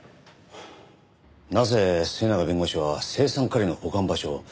なぜ末永弁護士は青酸カリの保管場所を？